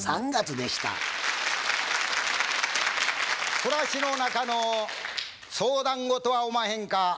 暮らしの中の相談事はおまへんか？